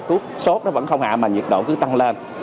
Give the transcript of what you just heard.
cút sốt nó vẫn không hạ mà nhiệt độ cứ tăng lên